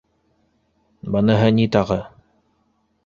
Быныһы ни тағы?